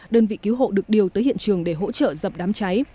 đơn vị cứu hộ được điều tới hiện trường để hỗ trợ dập đám cháy